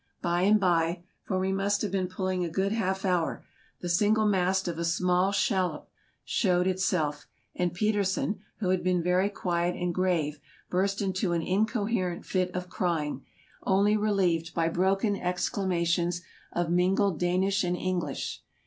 By and by — for we must have been pulling a good half hour — the single mast of a small shallop showed itself; and Petersen, who had been very quiet and grave, burst into an incoherent fit of crying, only relieved by broken exclama tions of mingled Danish and English.